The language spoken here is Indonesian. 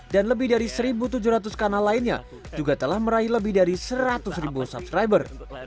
dan lebih dari satu tujuh ratus kanal lainnya juga telah meraih lebih dari seratus subscriber